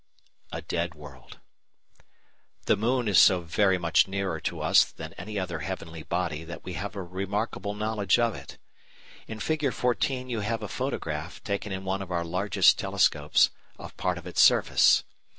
A Dead World The moon is so very much nearer to us than any other heavenly body that we have a remarkable knowledge of it. In Fig. 14 you have a photograph, taken in one of our largest telescopes, of part of its surface.